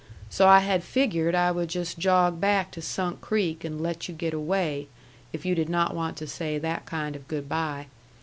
So I had figured I would just jog back to Sunk Creek and let you get away, if you did not want to say that kind of good by.